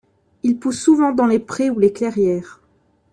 Ils poussent souvent dans les prés ou les clairières.